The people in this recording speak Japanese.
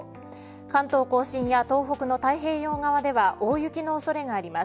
関東甲信や東北の太平洋側では大雪の恐れがあります。